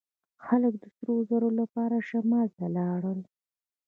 خلک د سرو زرو لپاره شمال ته لاړل.